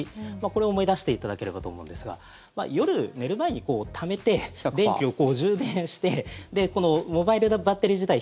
これを思い出していただければと思うんですが夜寝る前にためて電気を充電してこのモバイルバッテリー自体